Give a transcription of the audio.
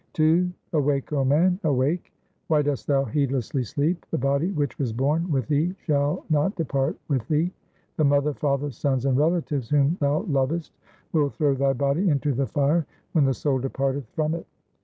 II Awake, 0 man, awake ; why dost thou heedlessly sleep ? The body which was born with thee shall not depart with thee ; 406 THE SIKH RELIGION The mother, father, sons, and relatives whom thou lovest, Will throw thy body into the fire when the soul departeth from it.